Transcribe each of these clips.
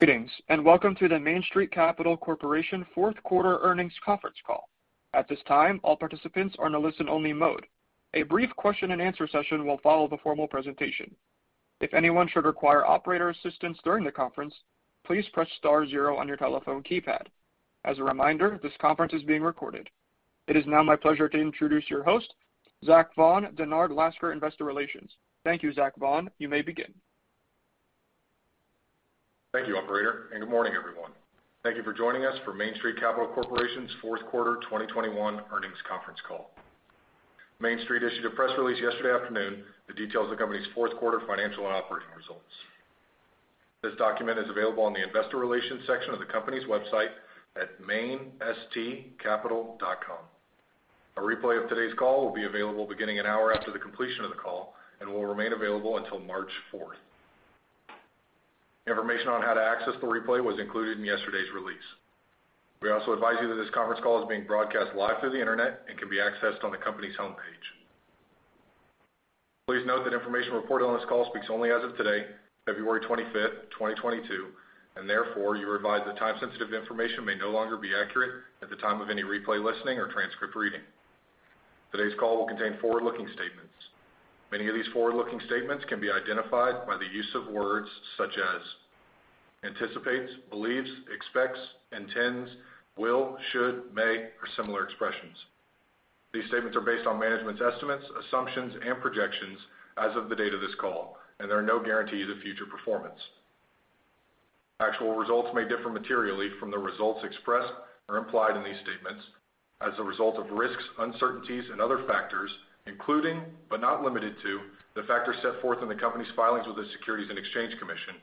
Greetings, and welcome to the Main Street Capital Corporation Q4 earnings conference call. At this time, all participants are in a listen-only mode. A brief question and answer session will follow the formal presentation. If anyone should require operator assistance during the conference, please press star zero on your telephone keypad. As a reminder, this conference is being recorded. It is now my pleasure to introduce your host, Zach Vaughan, Dennard Lascar Investor Relations. Thank you, Zach Vaughan. You may begin. Thank you, operator, and good morning, everyone. Thank you for joining us for Main Street Capital Corporation's Q4 2021 earnings conference call. Main Street issued a press release yesterday afternoon that details the company's Q4 financial and operating results. This document is available on the investor relations section of the company's website at mainstcapital.com. A replay of today's call will be available beginning an hour after the completion of the call and will remain available until March 4. Information on how to access the replay was included in yesterday's release. We also advise you that this conference call is being broadcast live through the internet and can be accessed on the company's homepage. Please note that information reported on this call speaks only as of today, February 25, 2022, and therefore you're advised that time-sensitive information may no longer be accurate at the time of any replay listening or transcript reading. Today's call will contain forward-looking statements. Many of these forward-looking statements can be identified by the use of words such as anticipates, believes, expects, intends, will, should, may, or similar expressions. These statements are based on management's estimates, assumptions, and projections as of the date of this call, and there are no guarantees of future performance. Actual results may differ materially from the results expressed or implied in these statements as a result of risks, uncertainties, and other factors, including, but not limited to, the factors set forth in the company's filings with the Securities and Exchange Commission,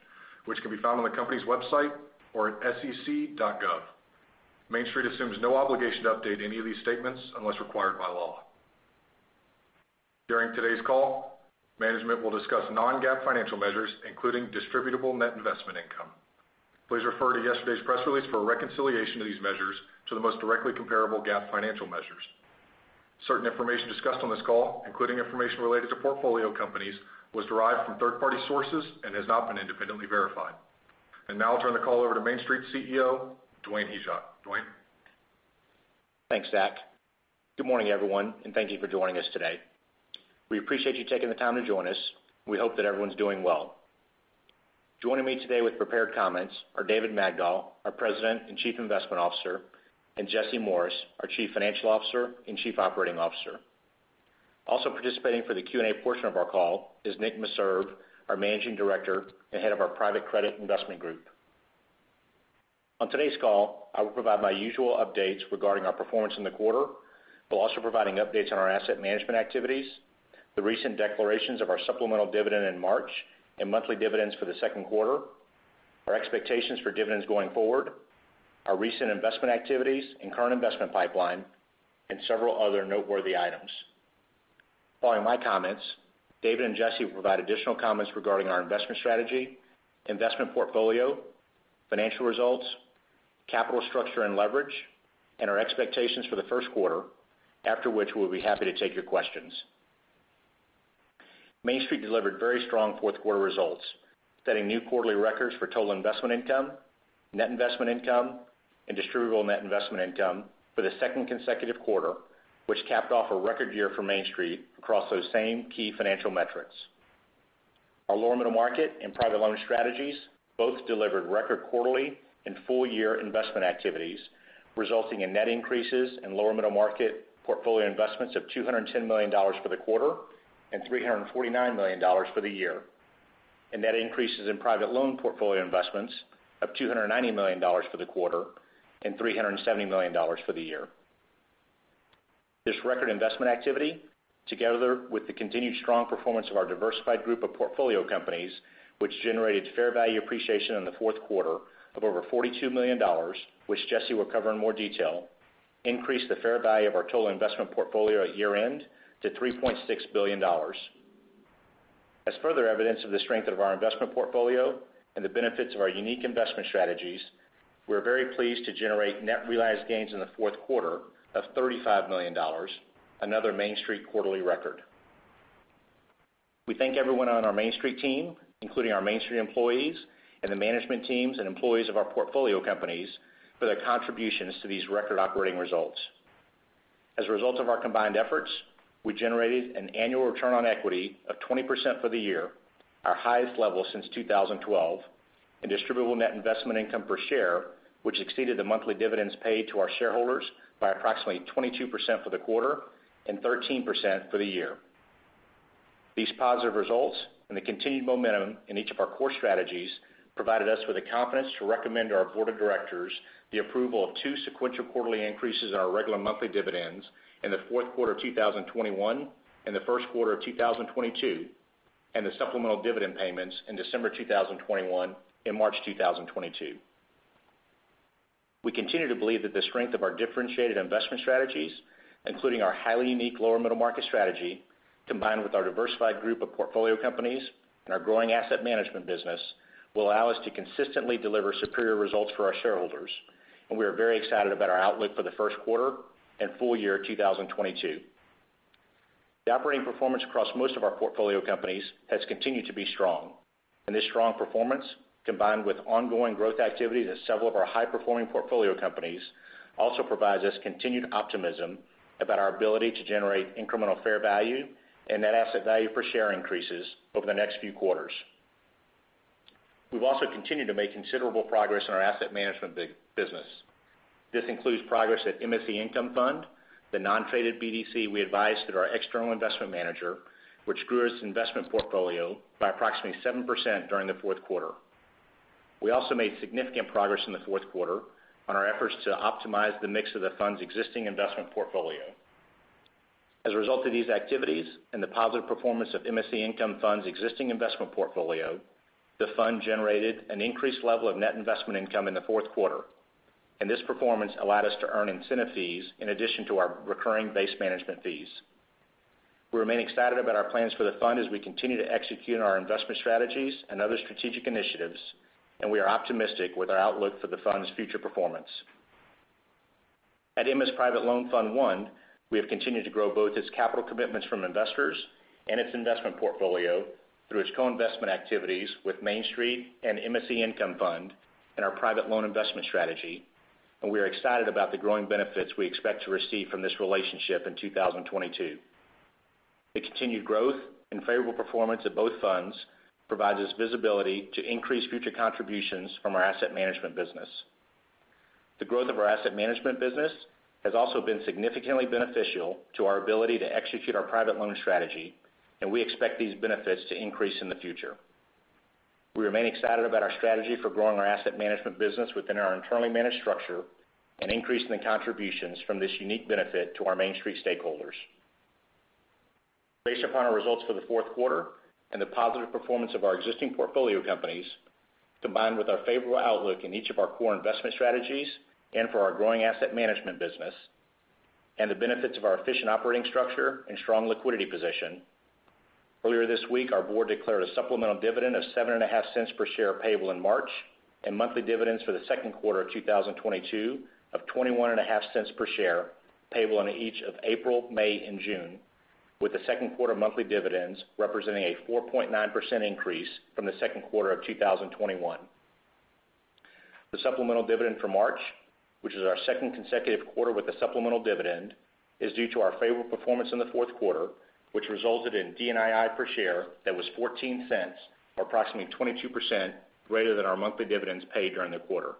which can be found on the company's website or at sec.gov. Main Street assumes no obligation to update any of these statements unless required by law. During today's call, management will discuss non-GAAP financial measures, including distributable net investment income. Please refer to yesterday's press release for a reconciliation of these measures to the most directly comparable GAAP financial measures. Certain information discussed on this call, including information related to portfolio companies, was derived from third-party sources and has not been independently verified. Now I'll turn the call over to Main Street CEO, Dwayne Hyzak. Dwayne. Thanks, Zach. Good morning, everyone, and thank you for joining us today. We appreciate you taking the time to join us. We hope that everyone's doing well. Joining me today with prepared comments are David Magdol, our President and Chief Investment Officer, and Jesse Morris, our Chief Financial Officer and Chief Operating Officer. Also participating for the Q&A portion of our call is Nick Meserve, our Managing Director and head of our private credit investment group. On today's call, I will provide my usual updates regarding our performance in the quarter. We'll also providing updates on our asset management activities, the recent declarations of our supplemental dividend in March and monthly dividends for the Q2, our expectations for dividends going forward, our recent investment activities and current investment pipeline, and several other noteworthy items. Following my comments, David and Jesse will provide additional comments regarding our investment strategy, investment portfolio, financial results, capital structure and leverage, and our expectations for the Q1. After which, we'll be happy to take your questions. Main Street delivered very strong Q4 results, setting new quarterly records for total investment income, net investment income, and distributable net investment income for the second consecutive quarter, which capped off a record year for Main Street across those same key financial metrics. Our lower middle market and private loan strategies both delivered record quarterly and full year investment activities, resulting in net increases in lower middle market portfolio investments of $210 million for the quarter and $349 million for the year. Net increases in private loan portfolio investments of $290 million for the quarter and $370 million for the year. This record investment activity, together with the continued strong performance of our diversified group of portfolio companies, which generated fair value appreciation in the Q4 of over $42 million, which Jesse will cover in more detail, increased the fair value of our total investment portfolio at year-end to $3.6 billion. As further evidence of the strength of our investment portfolio and the benefits of our unique investment strategies, we're very pleased to generate net realized gains in the Q4 of $35 million, another Main Street quarterly record. We thank everyone on our Main Street team, including our Main Street employees and the management teams and employees of our portfolio companies, for their contributions to these record operating results. As a result of our combined efforts, we generated an annual return on equity of 20% for the year, our highest level since 2012, and distributable net investment income per share, which exceeded the monthly dividends paid to our shareholders by approximately 22% for the quarter and 13% for the year. These positive results and the continued momentum in each of our core strategies provided us with the confidence to recommend to our board of directors the approval of two sequential quarterly increases in our regular monthly dividends in the Q4 of 2021 and the Q1 of 2022, and the supplemental dividend payments in December 2021 and March 2022. We continue to believe that the strength of our differentiated investment strategies, including our highly unique lower middle market strategy, combined with our diversified group of portfolio companies and our growing asset management business, will allow us to consistently deliver superior results for our shareholders, and we are very excited about our outlook for the Q1 and full year 2022. The operating performance across most of our portfolio companies has continued to be strong, and this strong performance, combined with ongoing growth activities at several of our high-performing portfolio companies, also provides us continued optimism about our ability to generate incremental fair value and net asset value per share increases over the next few quarters. We've also continued to make considerable progress in our asset management business. This includes progress at MSC Income Fund, the non-traded BDC we advise through our external investment manager, which grew its investment portfolio by approximately 7% during the Q4. We also made significant progress in the Q4 on our efforts to optimize the mix of the fund's existing investment portfolio. As a result of these activities and the positive performance of MSC Income Fund's existing investment portfolio, the fund generated an increased level of net investment income in the Q4, and this performance allowed us to earn incentive fees in addition to our recurring base management fees. We remain excited about our plans for the fund as we continue to execute on our investment strategies and other strategic initiatives, and we are optimistic with our outlook for the fund's future performance. At MS Private Loan Fund I, we have continued to grow both its capital commitments from investors and its investment portfolio through its co-investment activities with Main Street and MSC Income Fund and our private loan investment strategy, and we are excited about the growing benefits we expect to receive from this relationship in 2022. The continued growth and favorable performance of both funds provides us visibility to increase future contributions from our asset management business. The growth of our asset management business has also been significantly beneficial to our ability to execute our private loan strategy, and we expect these benefits to increase in the future. We remain excited about our strategy for growing our asset management business within our internally managed structure and increasing the contributions from this unique benefit to our Main Street stakeholders. Based upon our results for the Q4 and the positive performance of our existing portfolio companies, combined with our favorable outlook in each of our core investment strategies and for our growing asset management business and the benefits of our efficient operating structure and strong liquidity position, earlier this week, our board declared a supplemental dividend of $0.075 per share payable in March and monthly dividends for the Q2 of 2022 of $0.215 per share payable in each of April, May, and June, with the Q2 monthly dividends representing a 4.9% increase from the Q2 of 2021. The supplemental dividend for March, which is our second consecutive quarter with a supplemental dividend, is due to our favorable performance in the Q4, which resulted in DNII per share that was $0.14, or approximately 22% greater than our monthly dividends paid during the quarter.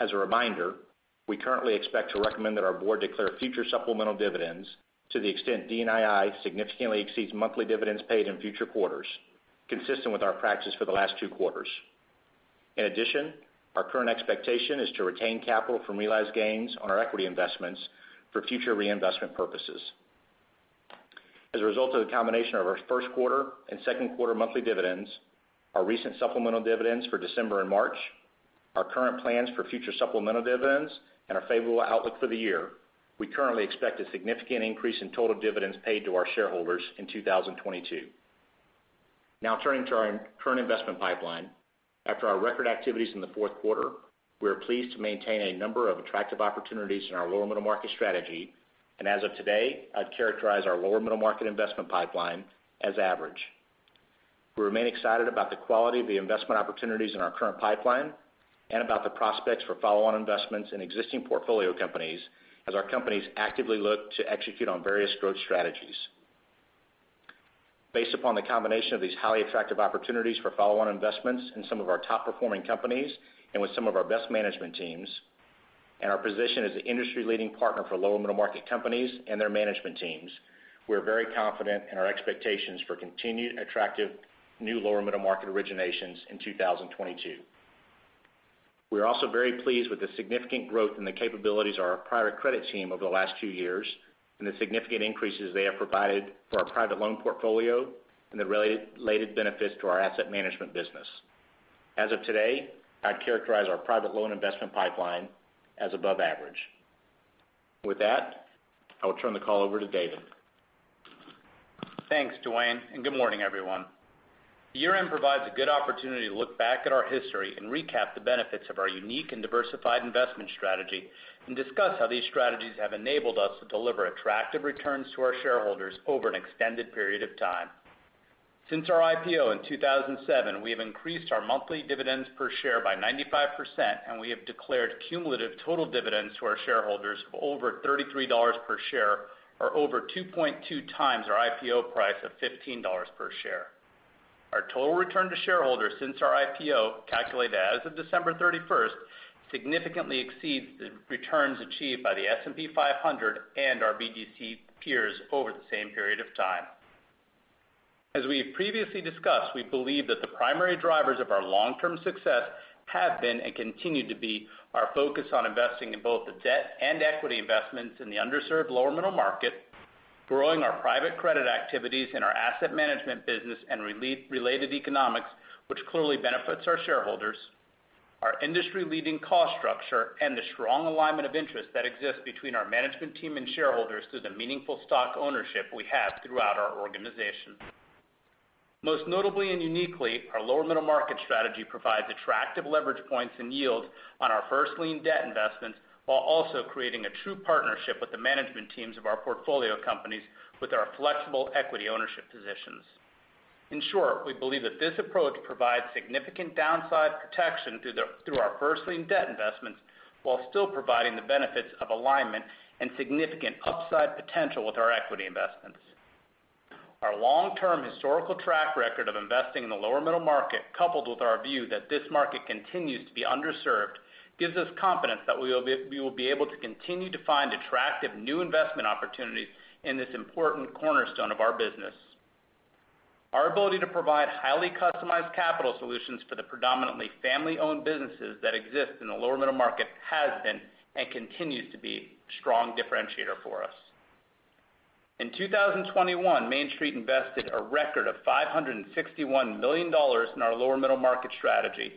As a reminder, we currently expect to recommend that our board declare future supplemental dividends to the extent DNII significantly exceeds monthly dividends paid in future quarters, consistent with our practice for the last two quarters. In addition, our current expectation is to retain capital from realized gains on our equity investments for future reinvestment purposes. As a result of the combination of our Q1 and Q2 monthly dividends, our recent supplemental dividends for December and March, our current plans for future supplemental dividends, and our favorable outlook for the year, we currently expect a significant increase in total dividends paid to our shareholders in 2022. Now turning to our current investment pipeline. After our record activities in the Q4, we are pleased to maintain a number of attractive opportunities in our lower middle market strategy. As of today, I'd characterize our lower middle market investment pipeline as average. We remain excited about the quality of the investment opportunities in our current pipeline and about the prospects for follow-on investments in existing portfolio companies as our companies actively look to execute on various growth strategies. Based upon the combination of these highly attractive opportunities for follow-on investments in some of our top-performing companies and with some of our best management teams, and our position as the industry-leading partner for lower middle market companies and their management teams, we are very confident in our expectations for continued attractive new lower middle market originations in 2022. We are also very pleased with the significant growth in the capabilities of our private credit team over the last two years and the significant increases they have provided for our private loan portfolio and the related benefits to our asset management business. As of today, I'd characterize our private loan investment pipeline as above average. With that, I will turn the call over to David. Thanks, Dwayne, and good morning, everyone. The year-end provides a good opportunity to look back at our history and recap the benefits of our unique and diversified investment strategy and discuss how these strategies have enabled us to deliver attractive returns to our shareholders over an extended period of time. Since our IPO in 2007, we have increased our monthly dividends per share by 95%, and we have declared cumulative total dividends to our shareholders of over $33 per share or over 2.2 times our IPO price of $15 per share. Our total return to shareholders since our IPO, calculated as of December 31, significantly exceeds the returns achieved by the S&P 500 and our BDC peers over the same period of time. As we have previously discussed, we believe that the primary drivers of our long-term success have been and continue to be our focus on investing in both the debt and equity investments in the underserved lower middle market, growing our private credit activities in our asset management business and related economics, which clearly benefits our shareholders, our industry-leading cost structure, and the strong alignment of interest that exists between our management team and shareholders through the meaningful stock ownership we have throughout our organization. Most notably and uniquely, our lower middle market strategy provides attractive leverage points and yield on our first lien debt investments, while also creating a true partnership with the management teams of our portfolio companies with our flexible equity ownership positions. In short, we believe that this approach provides significant downside protection through our first lien debt investments while still providing the benefits of alignment and significant upside potential with our equity investments. Our long-term historical track record of investing in the lower middle market, coupled with our view that this market continues to be underserved, gives us confidence that we will be able to continue to find attractive new investment opportunities in this important cornerstone of our business. Our ability to provide highly customized capital solutions for the predominantly family-owned businesses that exist in the lower middle market has been, and continues to be, a strong differentiator for us. In 2021, Main Street invested a record $561 million in our lower middle market strategy.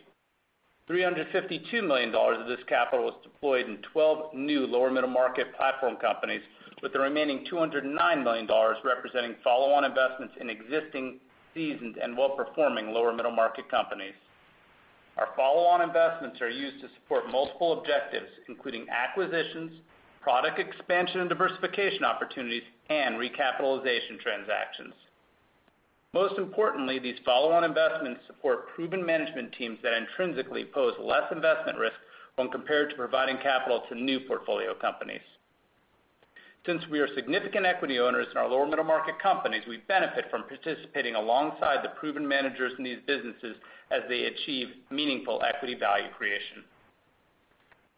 $352 million of this capital was deployed in 12 new lower middle market platform companies, with the remaining $209 million representing follow-on investments in existing seasoned and well-performing lower middle market companies. Our follow-on investments are used to support multiple objectives, including acquisitions, product expansion and diversification opportunities, and recapitalization transactions. Most importantly, these follow-on investments support proven management teams that intrinsically pose less investment risk when compared to providing capital to new portfolio companies. Since we are significant equity owners in our lower middle market companies, we benefit from participating alongside the proven managers in these businesses as they achieve meaningful equity value creation.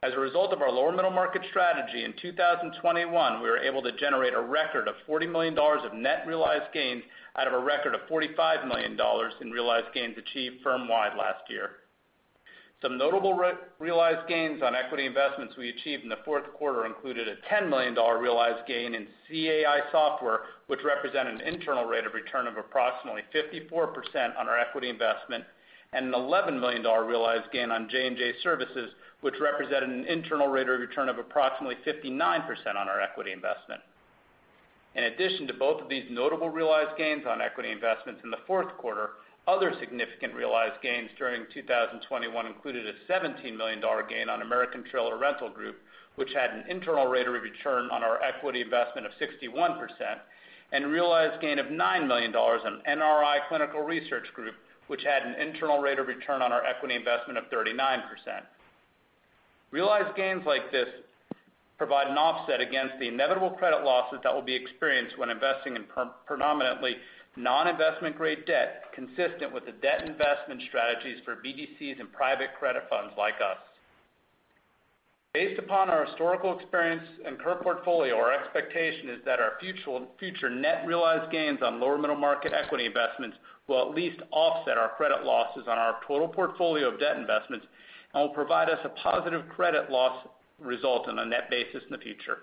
As a result of our lower middle market strategy, in 2021, we were able to generate a record $40 million of net realized gains out of a record $45 million in realized gains achieved firm-wide last year. Some notable realized gains on equity investments we achieved in the Q4 included a $10 million realized gain in CAI Software, which represented an internal rate of return of approximately 54% on our equity investment, and an $11 million realized gain on J&J Services, which represented an internal rate of return of approximately 59% on our equity investment. In addition to both of these notable realized gains on equity investments in the Q4, other significant realized gains during 2021 included a $17 million gain on American Trailer Rental Group, which had an internal rate of return on our equity investment of 61%, and a realized gain of $9 million on NRI Clinical Research, which had an internal rate of return on our equity investment of 39%. Realized gains like this provide an offset against the inevitable credit losses that will be experienced when investing in pre-predominantly non-investment-grade debt, consistent with the debt investment strategies for BDCs and private credit funds like us. Based upon our historical experience and current portfolio, our expectation is that our future net realized gains on lower middle market equity investments will at least offset our credit losses on our total portfolio of debt investments and will provide us a positive credit loss result on a net basis in the future.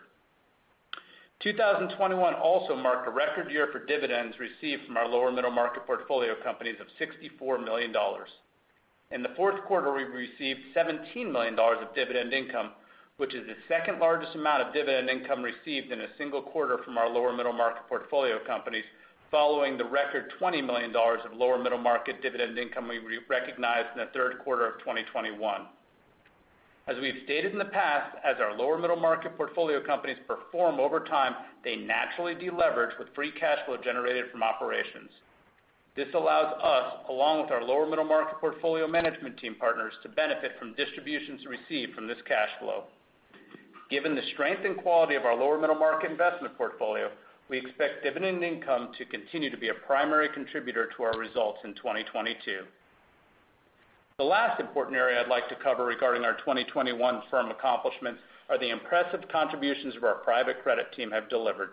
2021 also marked a record year for dividends received from our lower middle market portfolio companies of $64 million. In the Q4, we received $17 million of dividend income, which is the second-largest amount of dividend income received in a single quarter from our lower middle market portfolio companies, following the record $20 million of lower middle market dividend income we recognized in the Q3 of 2021. As we have stated in the past, as our lower middle market portfolio companies perform over time, they naturally deleverage with free cash flow generated from operations. This allows us, along with our lower middle market portfolio management team partners, to benefit from distributions received from this cash flow. Given the strength and quality of our lower middle market investment portfolio, we expect dividend income to continue to be a primary contributor to our results in 2022. The last important area I'd like to cover regarding our 2021 firm accomplishments are the impressive contributions of our private credit team have delivered.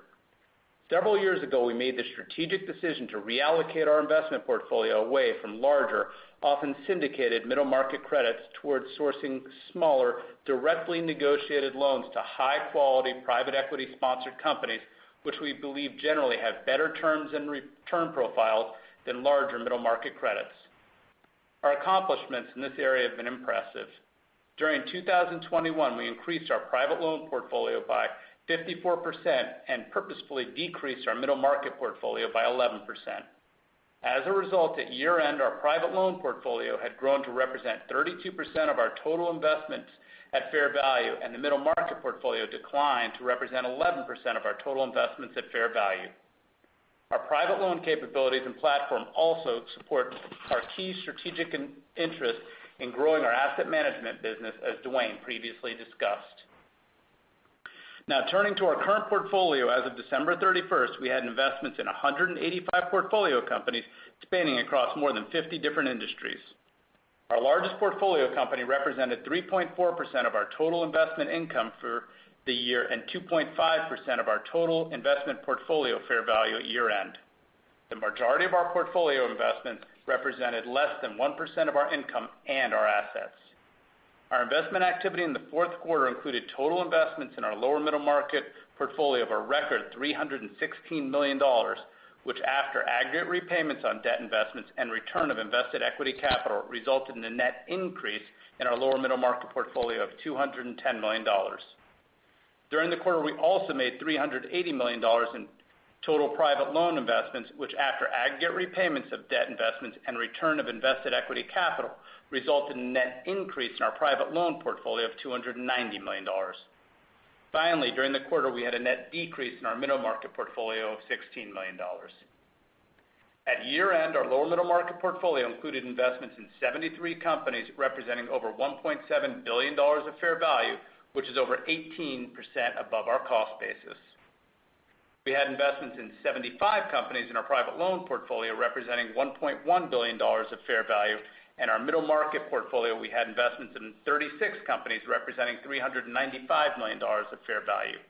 Several years ago, we made the strategic decision to reallocate our investment portfolio away from larger, often syndicated middle market credits towards sourcing smaller, directly negotiated loans to high-quality private equity-sponsored companies, which we believe generally have better terms and return profiles than larger middle market credits. Our accomplishments in this area have been impressive. During 2021, we increased our private loan portfolio by 54% and purposefully decreased our middle market portfolio by 11%. As a result, at year-end, our private loan portfolio had grown to represent 32% of our total investments at fair value, and the middle market portfolio declined to represent 11% of our total investments at fair value. Our private loan capabilities and platform also support our key strategic interest in growing our asset management business, as Dwayne previously discussed. Now, turning to our current portfolio, as of December 31, we had investments in 185 portfolio companies spanning across more than 50 different industries. Our largest portfolio company represented 3.4% of our total investment income for the year and 2.5% of our total investment portfolio fair value at year-end. The majority of our portfolio investments represented less than 1% of our income and our assets. Our investment activity in the Q4 included total investments in our lower middle market portfolio of a record $316 million, which after aggregate repayments on debt investments and return of invested equity capital, resulted in a net increase in our lower middle market portfolio of $210 million. During the quarter, we also made $380 million in total private loan investments, which after aggregate repayments of debt investments and return of invested equity capital, resulted in a net increase in our private loan portfolio of $290 million. Finally, during the quarter, we had a net decrease in our middle market portfolio of $16 million. At year-end, our lower middle market portfolio included investments in 73 companies, representing over $1.7 billion of fair value, which is over 18% above our cost basis. We had investments in 75 companies in our private loan portfolio, representing $1.1 billion of fair value. In our middle market portfolio, we had investments in 36 companies representing $395 million of fair value.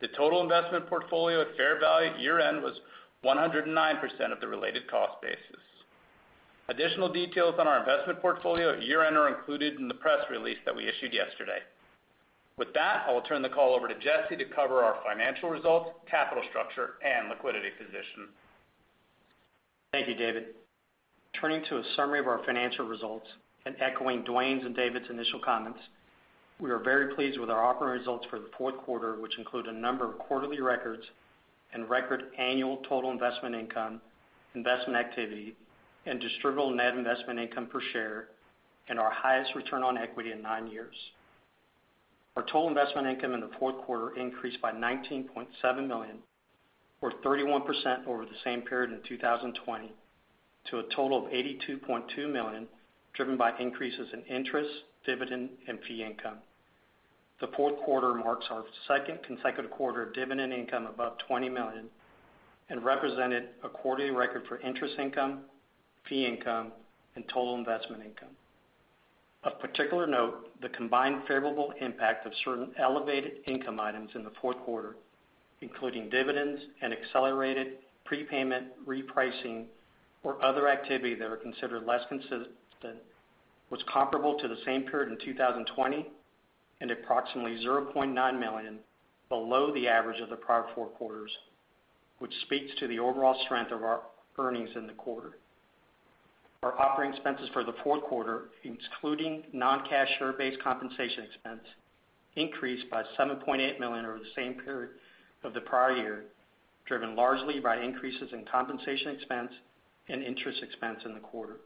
The total investment portfolio at fair value at year-end was 109% of the related cost basis. Additional details on our investment portfolio at year-end are included in the press release that we issued yesterday. With that, I will turn the call over to Jesse to cover our financial results, capital structure, and liquidity position. Thank you, David. Turning to a summary of our financial results and echoing Dwayne's and David's initial comments, we are very pleased with our operating results for the Q4, which include a number of quarterly records and record annual total investment income, investment activity, and distributable net investment income per share, and our highest return on equity in 9 years. Our total investment income in the Q4 increased by $19.7 million, or 31% over the same period in 2020, to a total of $82.2 million, driven by increases in interest, dividend, and fee income. The Q4 marks our second consecutive quarter of dividend income above $20 million and represented a quarterly record for interest income, fee income, and total investment income. Of particular note, the combined favorable impact of certain elevated income items in the Q4, including dividends and accelerated prepayment repricing or other activity that were considered less consistent, was comparable to the same period in 2020 and approximately $0.9 million below the average of the prior four quarters, which speaks to the overall strength of our earnings in the quarter. Our operating expenses for the Q4, excluding non-cash share-based compensation expense, increased by $7.8 million over the same period of the prior year, driven largely by increases in compensation expense and interest expense in the quarter.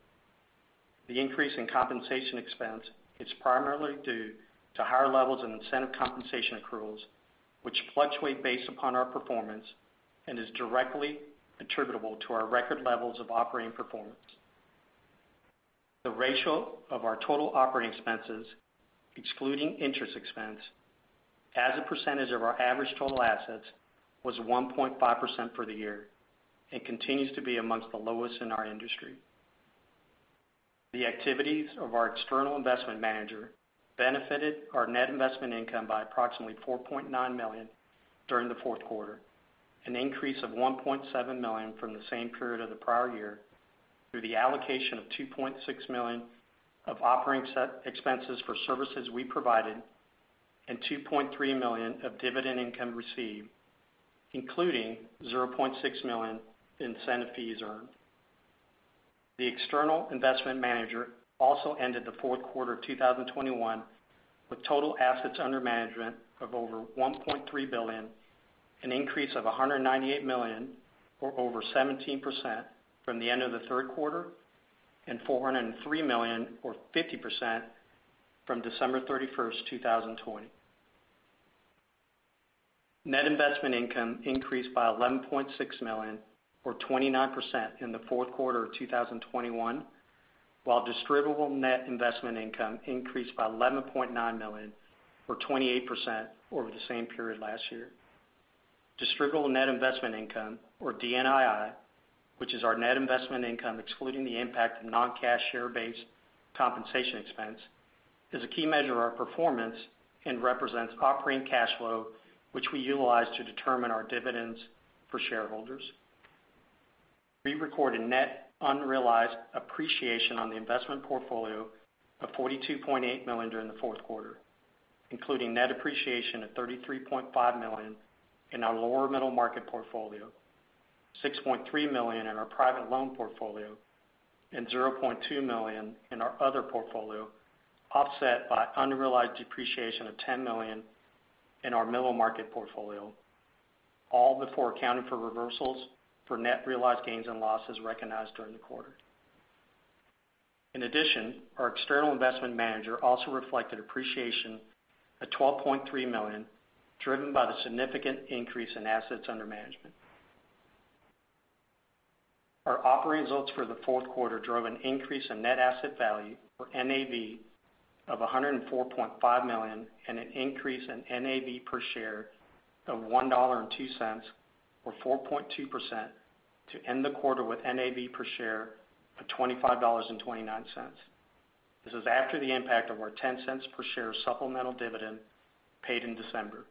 The increase in compensation expense is primarily due to higher levels of incentive compensation accruals, which fluctuate based upon our performance and is directly attributable to our record levels of operating performance. The ratio of our total operating expenses, excluding interest expense, as a percentage of our average total assets was 1.5% for the year and continues to be among the lowest in our industry. The activities of our external investment manager benefited our net investment income by approximately $4.9 million during the Q4, an increase of $1.7 million from the same period of the prior year, through the allocation of $2.6 million of operating expenses for services we provided and $2.3 million of dividend income received, including $0.6 million incentive fees earned. The external investment manager also ended the Q4 of 2021 with total assets under management of over $1.3 billion, an increase of $198 million or over 17% from the end of the Q3, and $403 million or 50% from December 31, 2020. Net investment income increased by $11.6 million or 29% in the Q4 of 2021, while distributable net investment income increased by $11.9 million or 28% over the same period last year. Distributable net investment income or DNII, which is our net investment income excluding the impact of non-cash share-based compensation expense, is a key measure of our performance and represents operating cash flow, which we utilize to determine our dividends for shareholders. We recorded net unrealized appreciation on the investment portfolio of $42.8 million during the Q4, including net appreciation of $33.5 million in our lower middle market portfolio, $6.3 million in our private loan portfolio, and $0.2 million in our other portfolio, offset by unrealized depreciation of $10 million in our middle market portfolio, all before accounting for reversals for net realized gains and losses recognized during the quarter. In addition, our external investment manager also reflected appreciation of $12.3 million, driven by the significant increase in assets under management. Our operating results for the Q4 drove an increase in net asset value, or NAV, of $104.5 million, and an increase in NAV per share of $1.02 or 4.2% to end the quarter with NAV per share of $25.29. This is after the impact of our $0.10 per share supplemental dividend paid in December.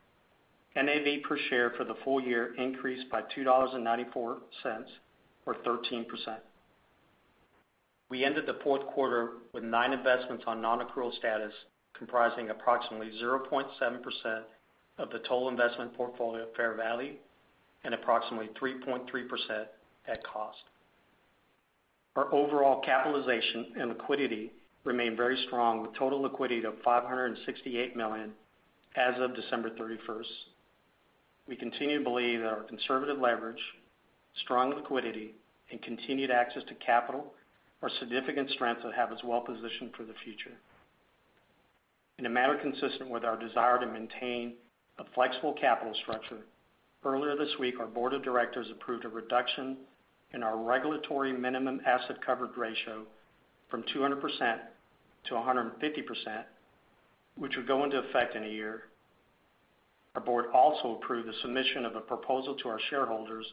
NAV per share for the full year increased by $2.94 or 13%. We ended the Q4 with nine investments on non-accrual status comprising approximately 0.7% of the total investment portfolio fair value and approximately 3.3% at cost. Our overall capitalization and liquidity remain very strong, with total liquidity of $568 million as of December 31. We continue to believe that our conservative leverage, strong liquidity, and continued access to capital are significant strengths that have us well-positioned for the future. In a manner consistent with our desire to maintain a flexible capital structure, earlier this week, our board of directors approved a reduction in our regulatory minimum asset coverage ratio from 200% to 150%, which would go into effect in a year. Our board also approved the submission of a proposal to our shareholders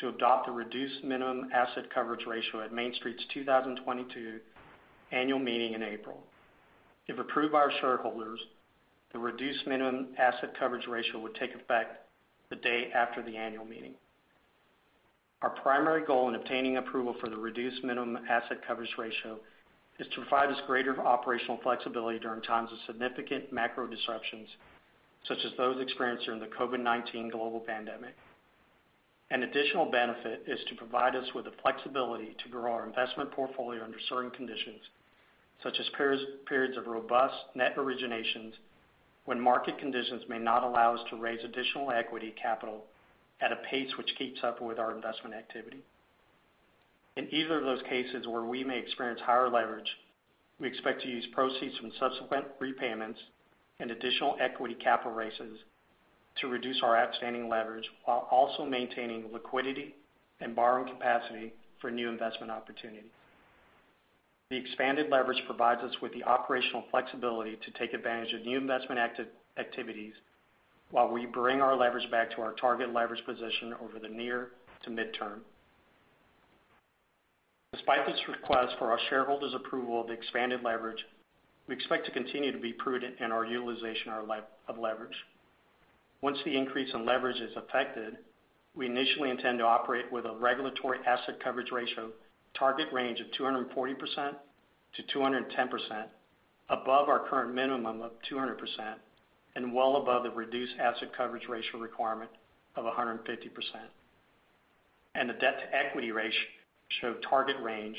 to adopt the reduced minimum asset coverage ratio at Main Street's 2022 annual meeting in April. If approved by our shareholders, the reduced minimum asset coverage ratio would take effect the day after the annual meeting. Our primary goal in obtaining approval for the reduced minimum asset coverage ratio is to provide us greater operational flexibility during times of significant macro disruptions, such as those experienced during the COVID-19 global pandemic. An additional benefit is to provide us with the flexibility to grow our investment portfolio under certain conditions, such as periods of robust net originations when market conditions may not allow us to raise additional equity capital at a pace which keeps up with our investment activity. In either of those cases where we may experience higher leverage, we expect to use proceeds from subsequent repayments and additional equity capital raises to reduce our outstanding leverage while also maintaining liquidity and borrowing capacity for new investment opportunities. The expanded leverage provides us with the operational flexibility to take advantage of new investment activities while we bring our leverage back to our target leverage position over the near to mid-term. Despite this request for our shareholders' approval of the expanded leverage, we expect to continue to be prudent in our utilization of leverage. Once the increase in leverage is effected, we initially intend to operate with a regulatory asset coverage ratio target range of 240% to 210% above our current minimum of 200% and well above the reduced asset coverage ratio requirement of 150%. The debt-to-equity ratio target range,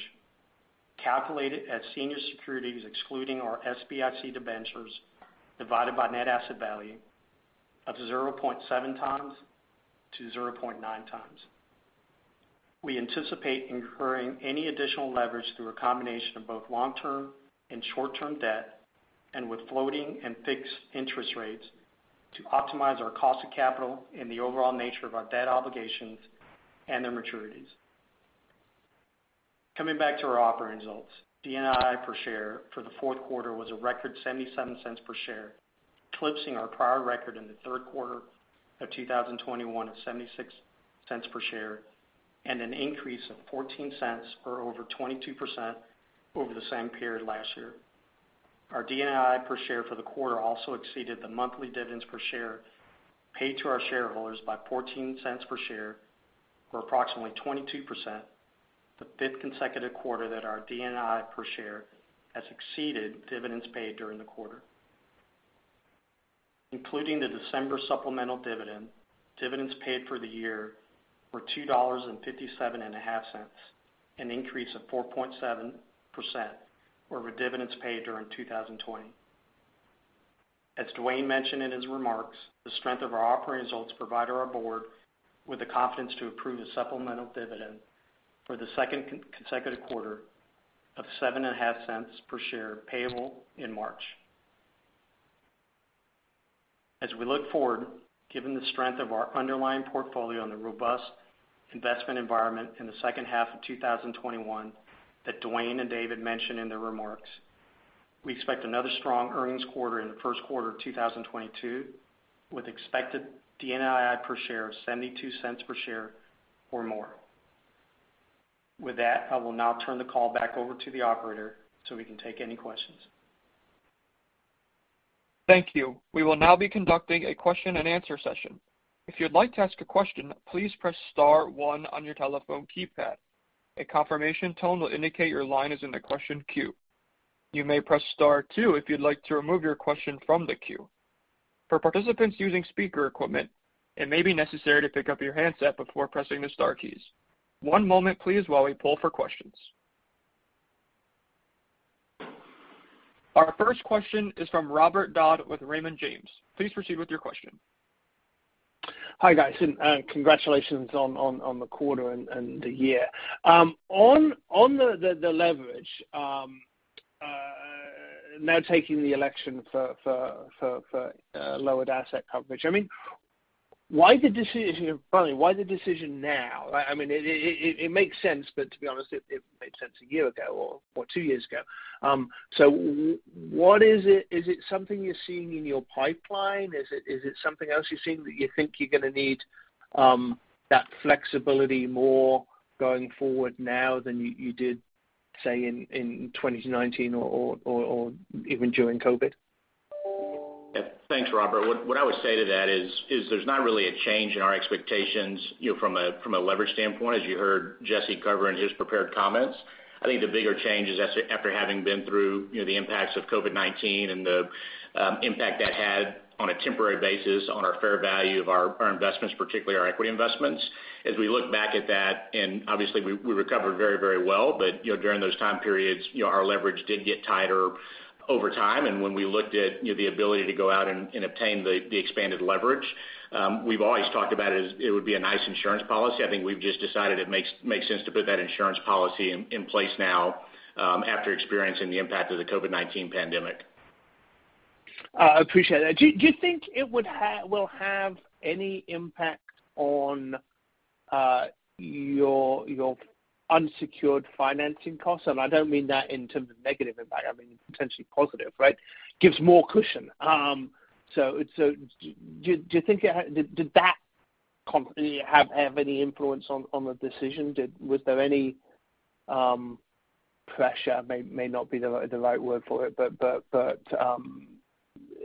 calculated as senior securities excluding our SBIC debentures divided by net asset value of 0.7x-0.9x. We anticipate incurring any additional leverage through a combination of both long-term and short-term debt and with floating and fixed interest rates to optimize our cost of capital and the overall nature of our debt obligations and their maturities. Coming back to our operating results, DNII per share for the Q4 was a record $0.77 per share, eclipsing our prior record in the Q3 of 2021 of $0.76 per share, and an increase of $0.14 or over 22% over the same period last year. Our DNII per share for the quarter also exceeded the monthly dividends per share paid to our shareholders by $0.14 per share, or approximately 22%, the fifth consecutive quarter that our DNII per share has exceeded dividends paid during the quarter. Including the December supplemental dividend, dividends paid for the year were $2.575, an increase of 4.7% over dividends paid during 2020. As Dwayne mentioned in his remarks, the strength of our operating results provided our board with the confidence to approve the supplemental dividend for the second consecutive quarter of 7.5 cents per share, payable in March. As we look forward, given the strength of our underlying portfolio and the robust investment environment in the second half of 2021 that Dwayne and David mentioned in their remarks, we expect another strong earnings quarter in the Q1 of 2022, with expected DNII per share of 72 cents per share or more. With that, I will now turn the call back over to the operator, so we can take any questions. Thank you. We will now be conducting a question-and-answer session. If you'd like to ask a question, please press star one on your telephone keypad. A confirmation tone will indicate your line is in the question queue. You may press star two if you'd like to remove your question from the queue. For participants using speaker equipment, it may be necessary to pick up your handset before pressing the star keys. One moment please while we poll for questions. Our first question is from Robert Dodd with Raymond James. Please proceed with your question. Hi, guys, and congratulations on the quarter and the year. On the leverage now taking the election for lowered asset coverage, I mean, why the decision? Finally, why the decision now? I mean, it makes sense, but to be honest, it made sense a year ago or two years ago. So what is it? Is it something you're seeing in your pipeline? Is it something else you're seeing that you think you're gonna need that flexibility more going forward now than you did, say, in 2019 or even during COVID? Thanks, Robert. What I would say to that is there's not really a change in our expectations, you know, from a leverage standpoint, as you heard Jesse cover in his prepared comments. I think the bigger change is after having been through, you know, the impacts of COVID-19 and the impact that had on a temporary basis on our fair value of our investments, particularly our equity investments. As we look back at that, and obviously we recovered very well. You know, during those time periods, you know, our leverage did get tighter over time. When we looked at, you know, the ability to go out and obtain the expanded leverage, we've always talked about it as it would be a nice insurance policy. I think we've just decided it makes sense to put that insurance policy in place now, after experiencing the impact of the COVID-19 pandemic. Appreciate that. Do you think it will have any impact on your unsecured financing costs? I don't mean that in terms of negative impact, I mean, potentially positive, right? Gives more cushion. Do you think it had any influence on the decision? Was there any pressure, may not be the right word for it, but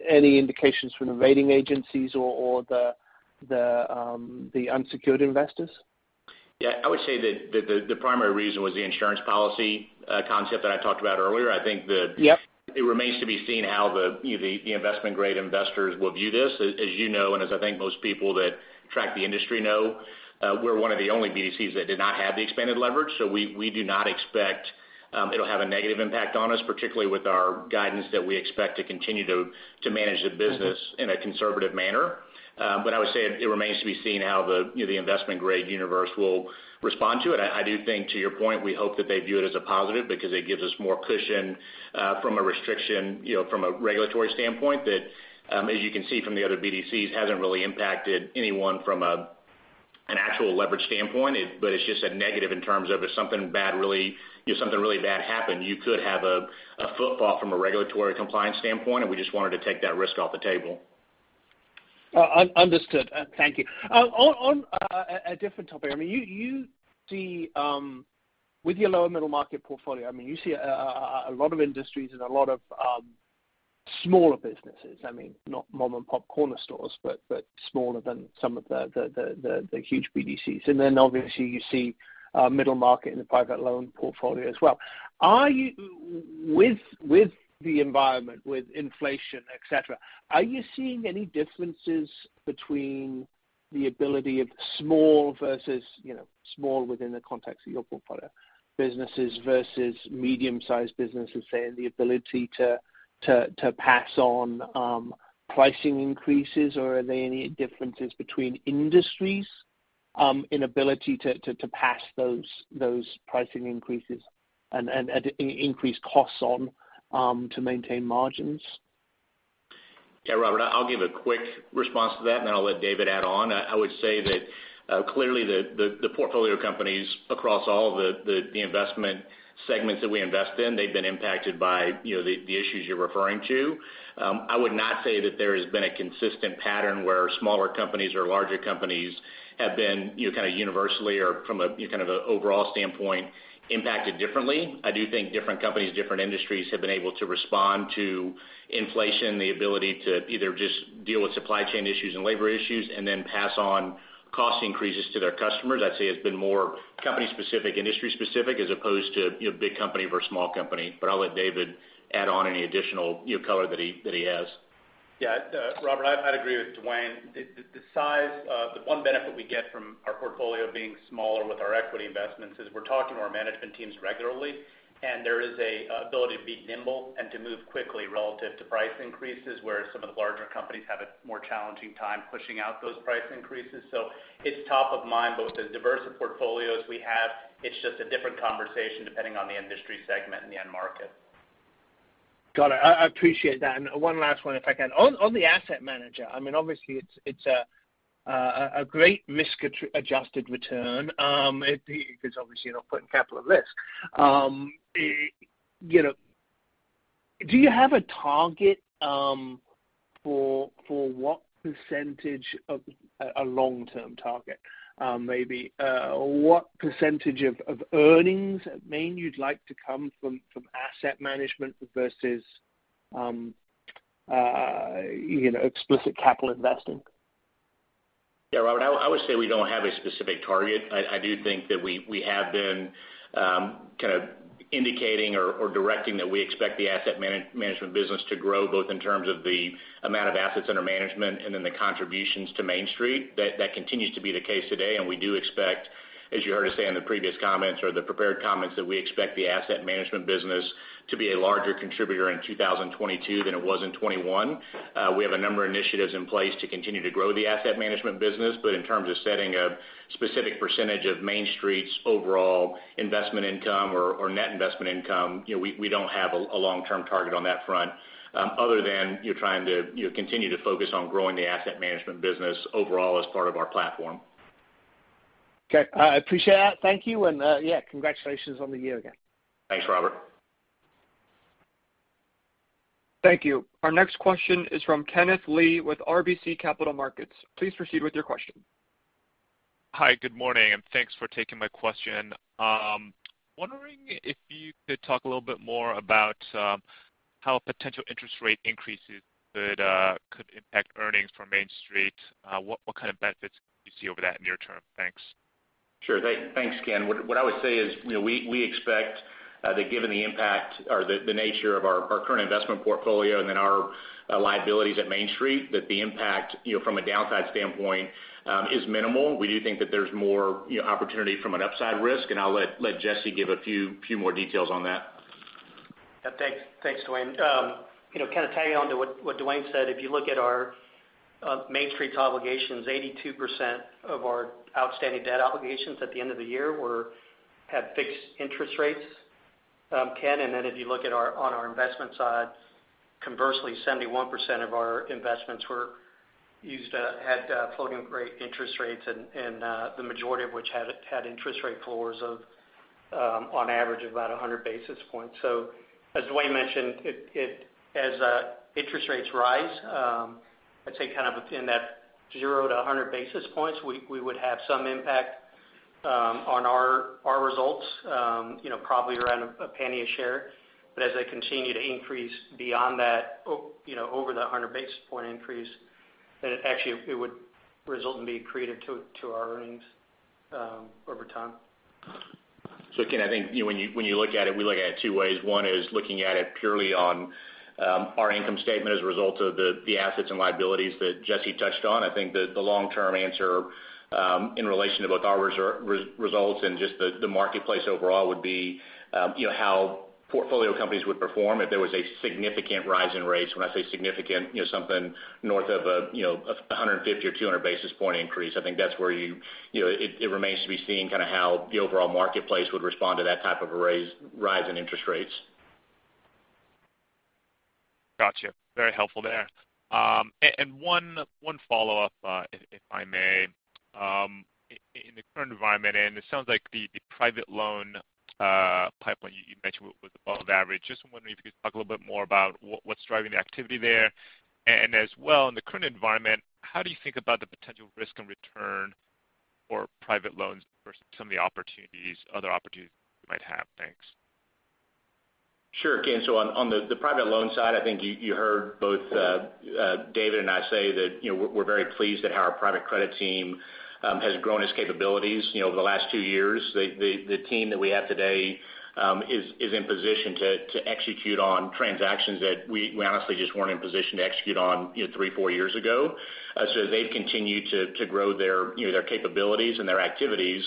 any indications from the rating agencies or the unsecured investors? Yeah, I would say that the primary reason was the insurance policy concept that I talked about earlier. I think that- Yep It remains to be seen how the, you know, the investment grade investors will view this. As you know, and as I think most people that track the industry know, we're one of the only BDCs that did not have the expanded leverage. We do not expect it'll have a negative impact on us, particularly with our guidance that we expect to continue to manage the business in a conservative manner. I would say it remains to be seen how the, you know, the investment grade universe will respond to it. I do think to your point, we hope that they view it as a positive because it gives us more cushion from a restriction, you know, from a regulatory standpoint that, as you can see from the other BDCs, hasn't really impacted anyone from an actual leverage standpoint. But it's just a negative in terms of if something really bad happened, you could have a fumble from a regulatory compliance standpoint, and we just wanted to take that risk off the table. Understood. Thank you. On a different topic. I mean, you see with your lower middle market portfolio, I mean, you see a lot of industries and a lot of smaller businesses. I mean, not mom and pop corner stores, but smaller than some of the huge BDCs. Then obviously you see middle market in the private loan portfolio as well. With the environment, with inflation, et cetera, are you seeing any differences between the ability of small versus, you know, small within the context of your portfolio, businesses versus medium-sized businesses, say, in the ability to pass on pricing increases, or are there any differences between industries in ability to pass those pricing increases and increase costs on to maintain margins? Yeah. Robert, I'll give a quick response to that, and then I'll let David add on. I would say that clearly the portfolio companies across all the investment segments that we invest in, they've been impacted by, you know, the issues you're referring to. I would not say that there has been a consistent pattern where smaller companies or larger companies have been, you know, kind of universally or from a kind of a overall standpoint impacted differently. I do think different companies, different industries have been able to respond to inflation, the ability to either just deal with supply chain issues and labor issues and then pass on cost increases to their customers. I'd say it's been more company specific, industry specific, as opposed to, you know, big company versus small company. I'll let David add on any additional, you know, color that he has. Yeah. Robert, I'd agree with Dwayne. The size, the one benefit we get from our portfolio being smaller with our equity investments is we're talking to our management teams regularly, and there is a ability to be nimble and to move quickly relative to price increases, where some of the larger companies have a more challenging time pushing out those price increases. It's top of mind, but with as diverse a portfolio as we have, it's just a different conversation depending on the industry segment and the end market. Got it. I appreciate that. One last one, if I can. On the asset manager, I mean, obviously it's a great risk adjusted return. It's obviously not putting capital at risk. You know, do you have a target for what percentage of a long-term target, maybe what percentage of earnings at Main you'd like to come from asset management versus you know, explicit capital investing? Yeah, Robert, I would say we don't have a specific target. I do think that we have been kind of indicating or directing that we expect the asset management business to grow, both in terms of the amount of assets under management and then the contributions to Main Street. That continues to be the case today. We do expect, as you heard us say in the previous comments or the prepared comments, that we expect the asset management business to be a larger contributor in 2022 than it was in 2021. We have a number of initiatives in place to continue to grow the asset management business. in terms of setting a specific percentage of Main Street's overall investment income or net investment income, you know, we don't have a long-term target on that front, other than you're trying to, you know, continue to focus on growing the asset management business overall as part of our platform. Okay. I appreciate that. Thank you. Yeah, congratulations on the year again. Thanks, Robert. Thank you. Our next question is from Kenneth Lee with RBC Capital Markets. Please proceed with your question. Hi, good morning, and thanks for taking my question. Wondering if you could talk a little bit more about how potential interest rate increases could impact earnings from Main Street. What kind of benefits do you see over that near term? Thanks. Sure. Thanks, Ken. What I would say is, you know, we expect that given the impact or the nature of our current investment portfolio and then our liabilities at Main Street, that the impact, you know, from a downside standpoint, is minimal. We do think that there's more, you know, opportunity from an upside risk, and I'll let Jesse give a few more details on that. Yeah. Thanks, Dwayne. You know, kind of tagging on to what Dwayne said, if you look at our Main Street obligations, 82% of our outstanding debt obligations at the end of the year had fixed interest rates, Kenneth. Then if you look at our investment side, conversely, 71% of our investments were at floating rate interest rates and the majority of which had interest rate floors of on average about 100 basis points. As Dwayne mentioned, as interest rates rise, I'd say kind of in that 0-100 basis points, we would have some impact on our results, you know, probably around $0.01 a share. As they continue to increase beyond that, you know, over the 100 basis point increase, then it actually would result in being accretive to our earnings over time. Again, I think, you know, when you look at it, we look at it two ways. One is looking at it purely on our income statement as a result of the assets and liabilities that Jesse touched on. I think the long-term answer in relation to both our results and just the marketplace overall would be, you know, how portfolio companies would perform if there was a significant rise in rates. When I say significant, you know, something north of 150 or 200 basis point increase. I think that's where you know, it remains to be seen kind of how the overall marketplace would respond to that type of a rise in interest rates. Gotcha. Very helpful there. One follow-up, if I may. In the current environment, it sounds like the private loan pipeline you mentioned was above average. Just wondering if you could talk a little bit more about what's driving the activity there. As well, in the current environment, how do you think about the potential risk and return for private loans versus some of the opportunities, other opportunities you might have? Thanks. Sure, Ken. On the private loan side, I think you heard both David and I say that, you know, we're very pleased at how our private credit team has grown its capabilities, you know, over the last two years. The team that we have today is in position to execute on transactions that we honestly just weren't in position to execute on, you know, 3-4 years ago. As they've continued to grow their capabilities and their activities,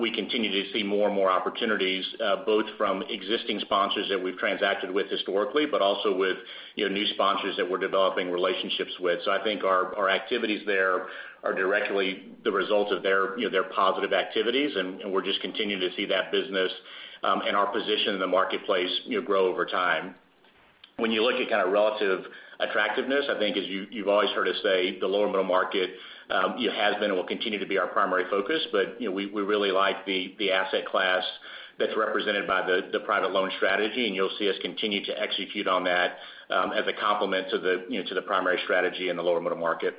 we continue to see more and more opportunities both from existing sponsors that we've transacted with historically, but also with new sponsors that we're developing relationships with. I think our activities there are directly the result of their, you know, their positive activities, and we're just continuing to see that business and our position in the marketplace, you know, grow over time. When you look at kind of relative attractiveness, I think as you've always heard us say, the lower middle market, you know, has been and will continue to be our primary focus. We, you know, really like the asset class that's represented by the private loan strategy, and you'll see us continue to execute on that as a complement to the, you know, primary strategy in the lower middle market.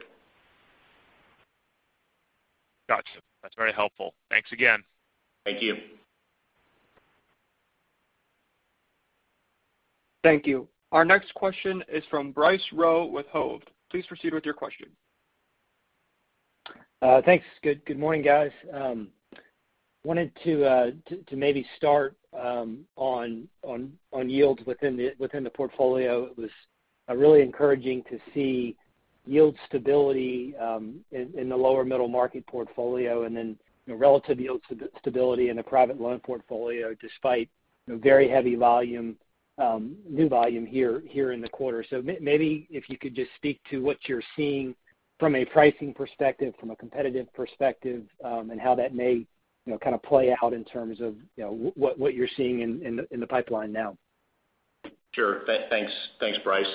Gotcha. That's very helpful. Thanks again. Thank you. Thank you. Our next question is from Bryce Rowe with Hovde. Please proceed with your question. Thanks. Good morning, guys. Wanted to maybe start on yields within the portfolio. It was really encouraging to see yield stability in the lower middle market portfolio and then relative yield stability in the private loan portfolio, despite very heavy new volume here in the quarter. Maybe if you could just speak to what you're seeing from a pricing perspective, from a competitive perspective, and how that may kind of play out in terms of what you're seeing in the pipeline now. Sure. Thanks, Bryce.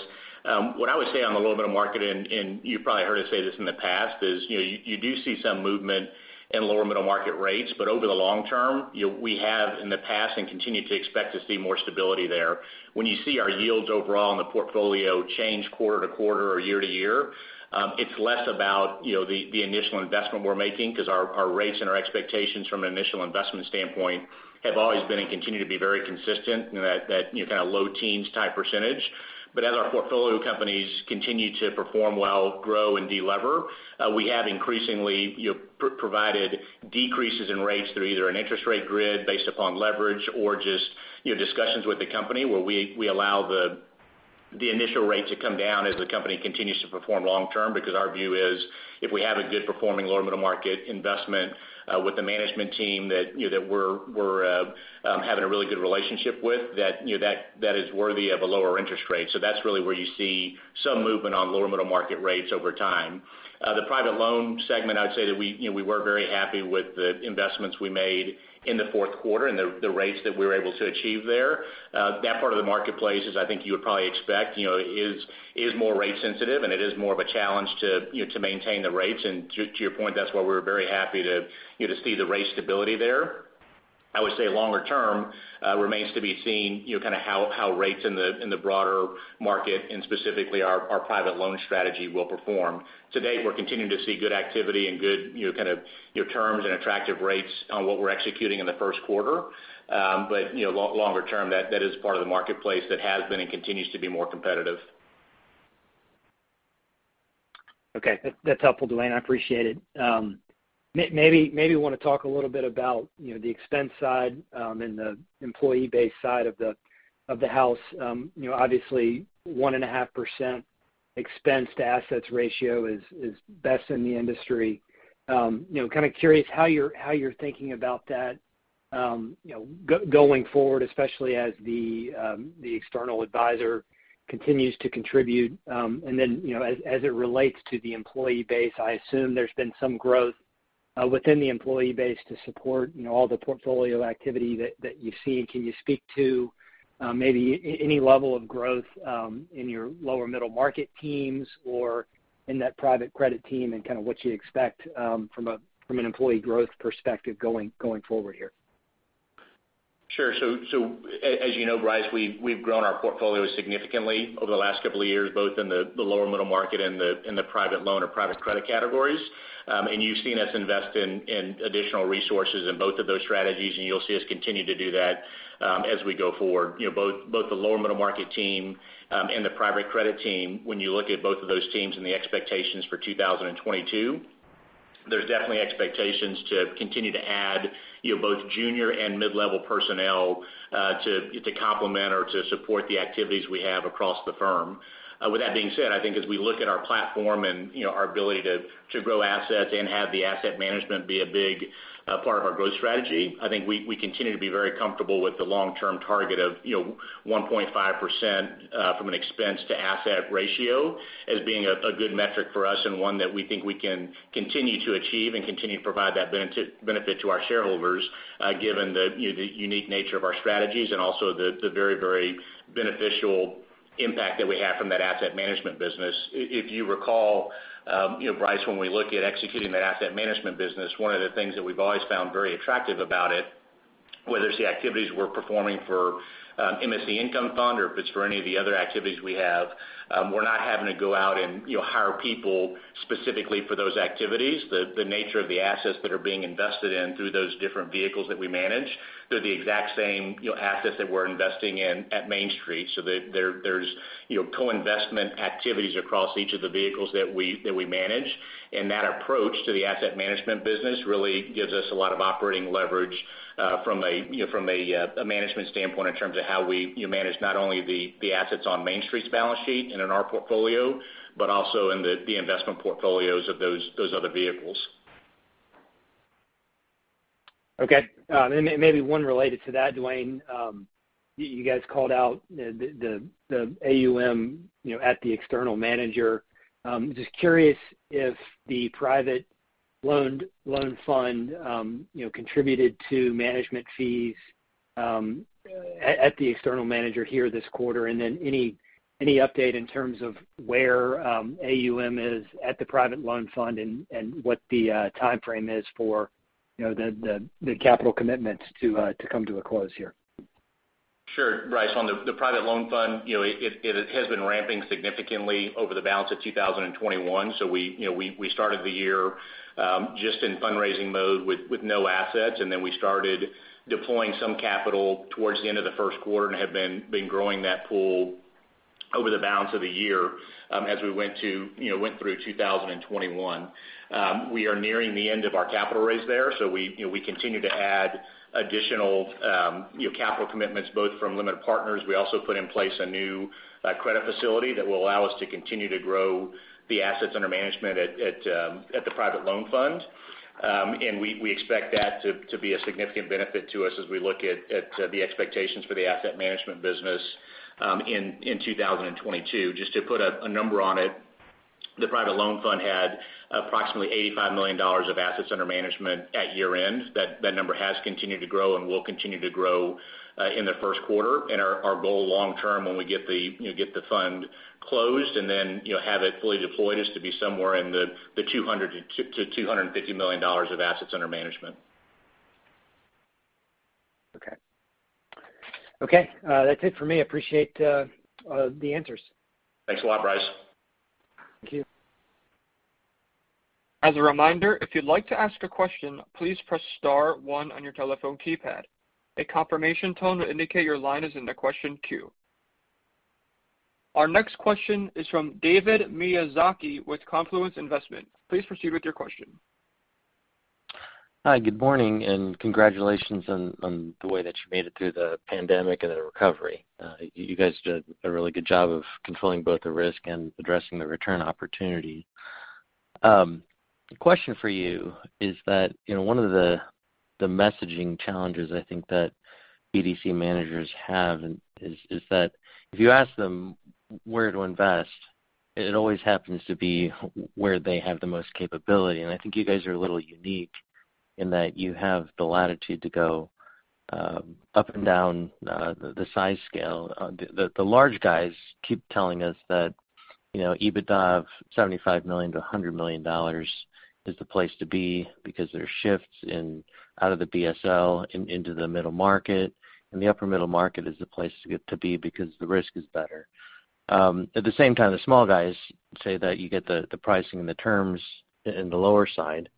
What I would say on the lower middle market, and you probably heard us say this in the past, is, you know, you do see some movement in lower middle market rates. Over the long term, you know, we have in the past and continue to expect to see more stability there. When you see our yields overall in the portfolio change quarter-to-quarter or year-to-year, it's less about, you know, the initial investment we're making because our rates and our expectations from an initial investment standpoint have always been and continue to be very consistent in that, you know, kind of low teens type percentage. As our portfolio companies continue to perform well, grow, and delever, we have increasingly, you know, provided decreases in rates through either an interest rate grid based upon leverage or just, you know, discussions with the company where we allow the initial rate to come down as the company continues to perform long-term. Because our view is, if we have a good performing lower middle market investment, with the management team that you know that we're having a really good relationship with that you know that is worthy of a lower interest rate. That's really where you see some movement on lower middle market rates over time. The private loan segment, I would say that we, you know, we were very happy with the investments we made in the Q4 and the rates that we were able to achieve there. That part of the marketplace, as I think you would probably expect, you know, is more rate sensitive, and it is more of a challenge to, you know, to maintain the rates. To your point, that's why we were very happy, you know, to see the rate stability there. I would say longer term remains to be seen, you know, kind of how rates in the broader market and specifically our private loan strategy will perform. To date, we're continuing to see good activity and good, you know, kind of terms and attractive rates on what we're executing in the Q1. You know, longer term, that is part of the marketplace that has been and continues to be more competitive. Okay. That's helpful, Dwayne. I appreciate it. Maybe wanna talk a little bit about, you know, the expense side, and the employee base side of the house. You know, obviously, 1.5% expense-to-assets ratio is best in the industry. You know, kind of curious how you're thinking about that, you know, going forward, especially as the external advisor continues to contribute. And then, you know, as it relates to the employee base, I assume there's been some growth within the employee base to support, you know, all the portfolio activity that you see. Can you speak to maybe any level of growth in your lower middle market teams or in that private credit team and kind of what you expect from an employee growth perspective going forward here? Sure. As you know, Bryce, we've grown our portfolio significantly over the last couple of years, both in the lower middle market and in the private loan or private credit categories. You've seen us invest in additional resources in both of those strategies, and you'll see us continue to do that as we go forward. The lower middle market team and the private credit team, when you look at both of those teams and the expectations for 2022, there's definitely expectations to continue to add both junior and mid-level personnel to complement or to support the activities we have across the firm. With that being said, I think as we look at our platform and, you know, our ability to grow assets and have the asset management be a big part of our growth strategy, I think we continue to be very comfortable with the long-term target of, you know, 1.5% from an expense to asset ratio as being a good metric for us and one that we think we can continue to achieve and continue to provide that benefit to our shareholders, given the, you know, the unique nature of our strategies and also the very, very beneficial impact that we have from that asset management business. If you recall, you know, Bryce, when we look at executing that asset management business, one of the things that we've always found very attractive about it, whether it's the activities we're performing for MSC Income Fund or if it's for any of the other activities we have, we're not having to go out and, you know, hire people specifically for those activities. The nature of the assets that are being invested in through those different vehicles that we manage, they're the exact same, you know, assets that we're investing in at Main Street. There's, you know, co-investment activities across each of the vehicles that we manage. That approach to the asset management business really gives us a lot of operating leverage from a management standpoint in terms of how we, you know, manage not only the assets on Main Street's balance sheet and in our portfolio, but also in the investment portfolios of those other vehicles. Okay. Maybe one related to that, Dwayne. You guys called out the AUM, you know, at the external manager. Just curious if the private loan fund, you know, contributed to management fees at the external manager here this quarter. Any update in terms of where AUM is at the private loan fund and what the timeframe is for the capital commitment to come to a close here. Sure. Bryce, on the private loan fund, you know, it has been ramping significantly over the balance of 2021. We started the year just in fundraising mode with no assets, and then we started deploying some capital towards the end of the Q1 and have been growing that pool over the balance of the year as we went through 2021. We are nearing the end of our capital raise there. We continue to add additional capital commitments, both from limited partners. We also put in place a new credit facility that will allow us to continue to grow the assets under management at the private loan fund. We expect that to be a significant benefit to us as we look at the expectations for the asset management business in 2022. Just to put a number on it, the private loan fund had approximately $85 million of assets under management at year-end. That number has continued to grow and will continue to grow in the Q1. Our goal long term when we get the fund closed and then, you know, have it fully deployed is to be somewhere in the $200 million to $250 million of assets under management. Okay. That's it for me. I appreciate the answers. Thanks a lot, Bryce. Thank you. As a reminder, if you'd like to ask a question, please press star one on your telephone keypad. A confirmation tone will indicate your line is in the question queue. Our next question is from David Miyazaki with Confluence Investment. Please proceed with your question. Hi, good morning, and congratulations on the way that you made it through the pandemic and the recovery. You guys did a really good job of controlling both the risk and addressing the return opportunity. The question for you is that, you know, one of the messaging challenges I think that BDC managers have is that if you ask them where to invest, it always happens to be where they have the most capability. I think you guys are a little unique in that you have the latitude to go up and down the size scale. The large guys keep telling us that, you know, EBITDA of $75 million-$100 million is the place to be because there are shifts out of the BSL into the middle market, and the upper middle market is the place to be because the risk is better. At the same time, the small guys say that you get the pricing and the terms in the lower side.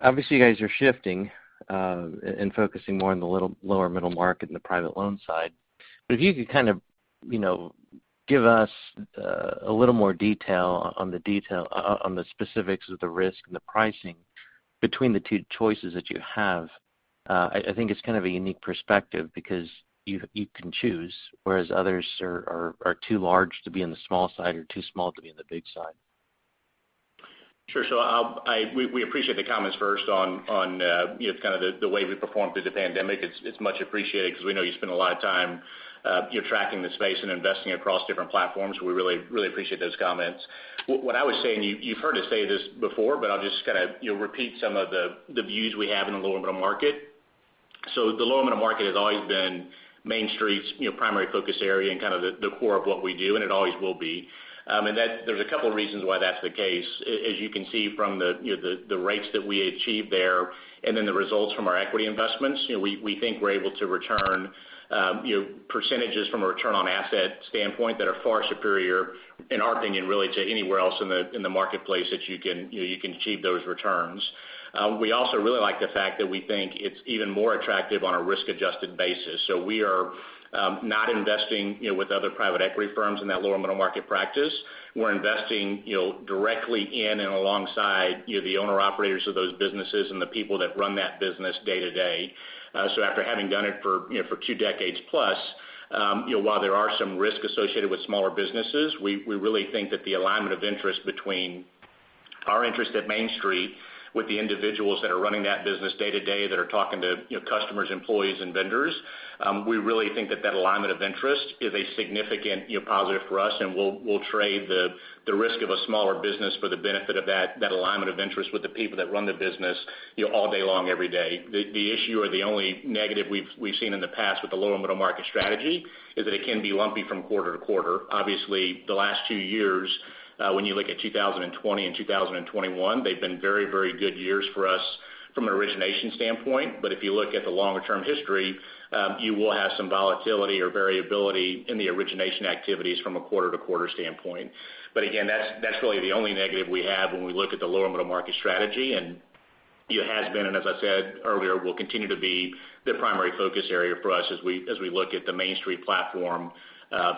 Obviously, you guys are shifting and focusing more on the little lower middle market and the private loan side. If you could kind of, you know, give us a little more detail on the specifics of the risk and the pricing between the two choices that you have. I think it's kind of a unique perspective because you can choose, whereas others are too large to be in the small side or too small to be in the big side. Sure. We appreciate the comments first on you know kind of the way we performed through the pandemic. It's much appreciated because we know you spend a lot of time you know tracking the space and investing across different platforms. We really appreciate those comments. What I was saying, you've heard us say this before, but I'll just kinda you know repeat some of the views we have in the lower middle market. The lower middle market has always been Main Street's you know primary focus area and kind of the core of what we do, and it always will be. There's a couple reasons why that's the case. As you can see from the rates that we achieve there and then the results from our equity investments, you know, we think we're able to return percentages from a return on asset standpoint that are far superior, in our opinion, really to anywhere else in the marketplace that you can achieve those returns. We also really like the fact that we think it's even more attractive on a risk-adjusted basis. We are not investing, you know, with other private equity firms in that lower middle market practice. We're investing directly in and alongside the owner-operators of those businesses and the people that run that business day to day. After having done it for, you know, for two decades plus, you know, while there are some risk associated with smaller businesses, we really think that the alignment of interest between our interest at Main Street with the individuals that are running that business day to day, that are talking to, you know, customers, employees, and vendors, we really think that that alignment of interest is a significant, you know, positive for us, and we'll trade the risk of a smaller business for the benefit of that alignment of interest with the people that run the business, you know, all day long, every day. The issue or the only negative we've seen in the past with the lower middle market strategy is that it can be lumpy from quarter-to-quarter. Obviously, the last two years, when you look at 2020 and 2021, they've been very, very good years for us from an origination standpoint. If you look at the longer-term history, you will have some volatility or variability in the origination activities from a quarter-to-quarter standpoint. Again, that's really the only negative we have when we look at the lower middle market strategy. It has been, and as I said earlier, will continue to be the primary focus area for us as we look at the Main Street platform,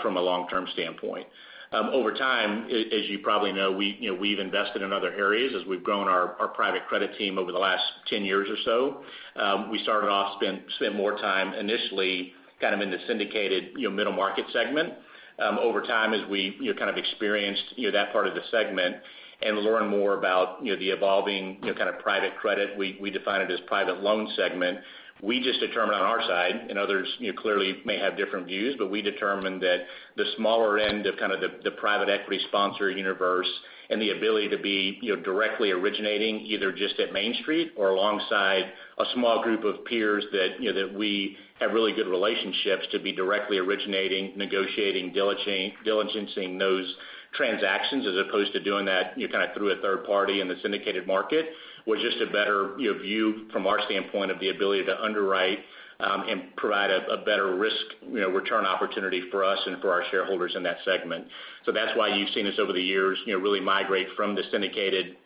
from a long-term standpoint. Over time, as you probably know, you know, we've invested in other areas as we've grown our private credit team over the last 10 years or so. We started off spending more time initially kind of in the syndicated, you know, middle market segment. Over time, as we, you know, kind of experienced, you know, that part of the segment and learned more about, you know, the evolving, you know, kind of private credit, we define it as private loan segment. We just determine on our side, and others, you know, clearly may have different views, but we determined that the smaller end of kind of the private equity sponsor universe and the ability to be, you know, directly originating either just at Main Street or alongside a small group of peers that, you know, that we have really good relationships to be directly originating, negotiating, diligencing those transactions as opposed to doing that, you know, kind of through a third party in the syndicated market, was just a better, you know, view from our standpoint of the ability to underwrite and provide a better risk, you know, return opportunity for us and for our shareholders in that segment. That's why you've seen us over the years, you know, really migrate from the syndicated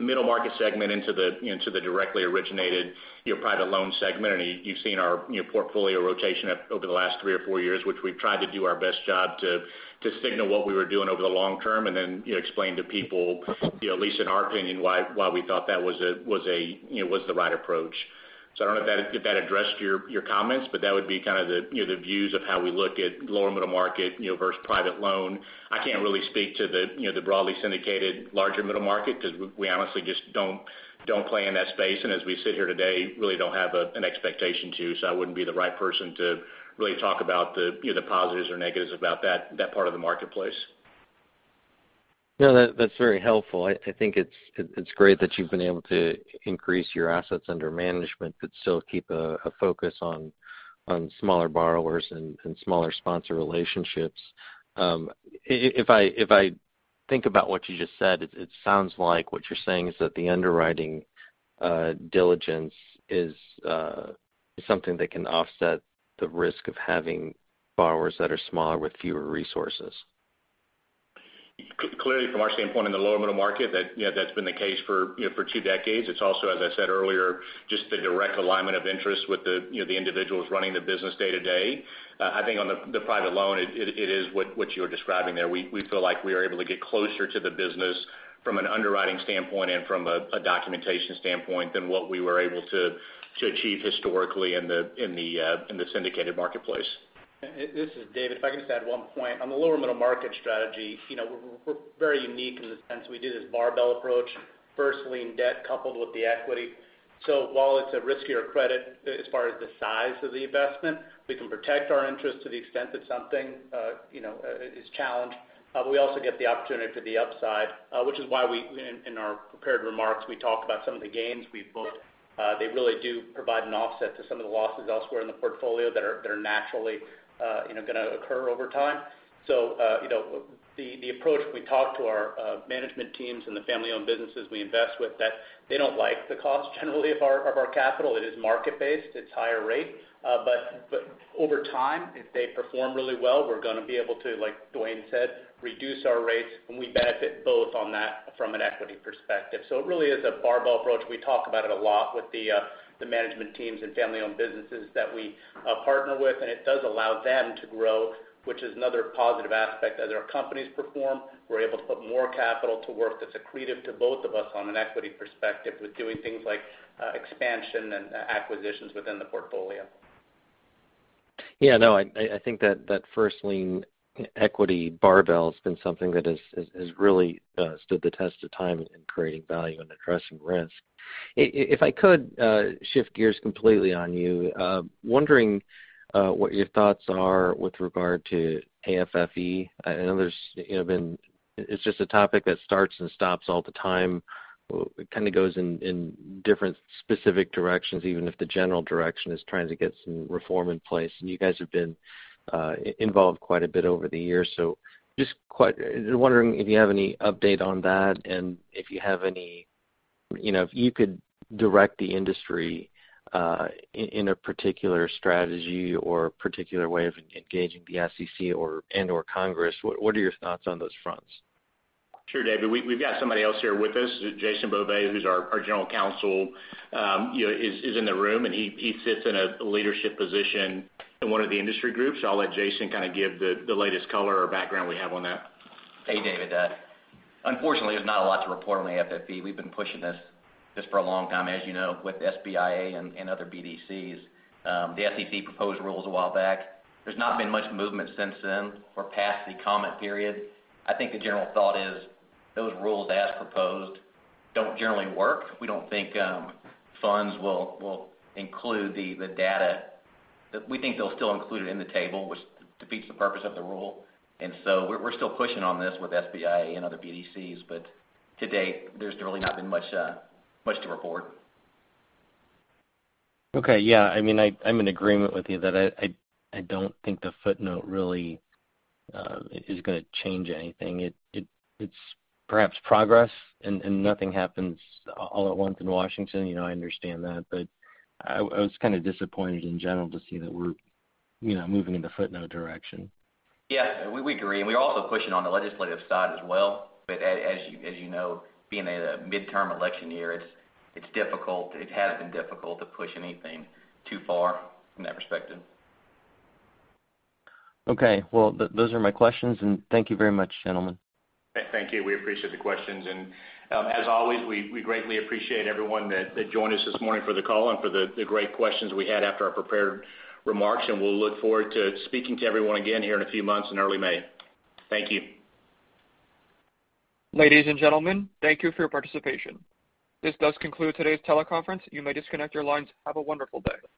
middle market segment into the directly originated, you know, private loan segment. You've seen our, you know, portfolio rotation over the last 3 or 4 years, which we've tried to do our best job to signal what we were doing over the long term and then, you know, explain to people, you know, at least in our opinion, why we thought that was a, you know, the right approach. I don't know if that addressed your comments, but that would be kind of the, you know, the views of how we look at lower middle market, you know, versus private loan. I can't really speak to the, you know, the broadly syndicated larger middle market because we honestly just don't play in that space, and as we sit here today, really don't have an expectation to. I wouldn't be the right person to really talk about the, you know, the positives or negatives about that part of the marketplace. No, that's very helpful. I think it's great that you've been able to increase your assets under management, but still keep a focus on smaller borrowers and smaller sponsor relationships. If I think about what you just said, it sounds like what you're saying is that the underwriting diligence is something that can offset the risk of having borrowers that are smaller with fewer resources. Clearly, from our standpoint in the lower middle market that, you know, that's been the case for, you know, for two decades. It's also, as I said earlier, just the direct alignment of interest with the, you know, the individuals running the business day to day. I think on the private loan, it is what you're describing there. We feel like we are able to get closer to the business from an underwriting standpoint and from a documentation standpoint than what we were able to achieve historically in the syndicated marketplace. This is David. If I could just add one point. On the lower middle market strategy, you know, we're very unique in the sense we do this barbell approach, first lien debt coupled with the equity. While it's a riskier credit as far as the size of the investment, we can protect our interest to the extent that something, you know, is challenged. We also get the opportunity for the upside, which is why, in our prepared remarks, we talk about some of the gains we've booked. They really do provide an offset to some of the losses elsewhere in the portfolio that are naturally, you know, gonna occur over time. You know, the approach we talk to our management teams and the family-owned businesses we invest with that they don't like the cost generally of our capital. It is market-based, it's higher rate. But over time, if they perform really well, we're gonna be able to, like Dwayne said, reduce our rates, and we benefit both on that from an equity perspective. It really is a barbell approach. We talk about it a lot with the management teams and family-owned businesses that we partner with, and it does allow them to grow, which is another positive aspect. As our companies perform, we're able to put more capital to work that's accretive to both of us on an equity perspective with doing things like expansion and acquisitions within the portfolio. Yeah, no, I think that first lien equity barbell has been something that has really stood the test of time in creating value and addressing risk. If I could shift gears completely on you, wondering what your thoughts are with regard to AFFE. I know there's been. It's just a topic that starts and stops all the time. It kinda goes in different specific directions, even if the general direction is trying to get some reform in place. You guys have been involved quite a bit over the years. Just wondering if you have any update on that, and if you have any, you know, if you could direct the industry in a particular strategy or a particular way of engaging the SEC or and/or Congress, what are your thoughts on those fronts? Sure, David. We've got somebody else here with us. Jason Beauvais, who's our General Counsel, is in the room, and he sits in a leadership position in one of the industry groups. I'll let Jason kind of give the latest color or background we have on that. Hey, David. Unfortunately, there's not a lot to report on the AFFE. We've been pushing this just for a long time, as you know, with SBIA and other BDCs. The SEC proposed rules a while back. There's not been much movement since then or past the comment period. I think the general thought is those rules, as proposed, don't generally work. We don't think funds will include the data. We think they'll still include it in the table, which defeats the purpose of the rule. We're still pushing on this with SBIA and other BDCs, but to date, there's really not been much to report. Okay, yeah. I mean, I'm in agreement with you that I don't think the footnote really is gonna change anything. It's perhaps progress and nothing happens all at once in Washington, you know, I understand that, but I was kind of disappointed in general to see that we're, you know, moving in the footnote direction. Yeah, we agree. We're also pushing on the legislative side as well. As you know, being a midterm election year, it's difficult, it has been difficult to push anything too far from that perspective. Okay. Well, those are my questions, and thank you very much, gentlemen. Thank you. We appreciate the questions. As always, we greatly appreciate everyone that joined us this morning for the call and for the great questions we had after our prepared remarks, and we'll look forward to speaking to everyone again here in a few months in early May. Thank you. Ladies and gentlemen, thank you for your participation. This does conclude today's teleconference. You may disconnect your lines. Have a wonderful day.